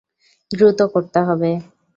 দ্রুত করতে হবে।